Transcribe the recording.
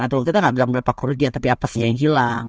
atau kita nggak bilang berapa kurusnya tapi apa saja yang hilang